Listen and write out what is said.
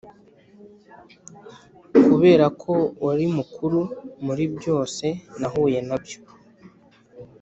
kuberako wari mukuru muri byose nahuye nabyo.